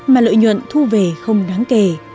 mà lợi nhuận thu về không đáng kể